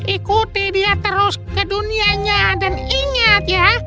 ikuti dia terus ke dunianya dan ingat ya